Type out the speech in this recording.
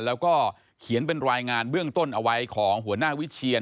แล้วก็เขียนเป็นรายงานเบื้องต้นเอาไว้ของหัวหน้าวิเชียน